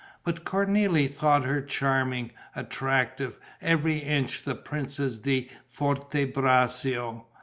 But Cornélie thought her charming, attractive, every inch the Princess di Forte Braccio.